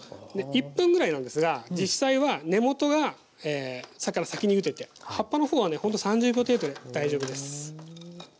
１分ぐらいなんですが実際は根元が先にゆでて葉っぱの方はねほんと３０秒程度で大丈夫です。